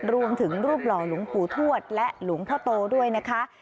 รวมถึงรูปหล่อหลวงผูทวดและหลวงพ่อโต้ด้วยนะคะ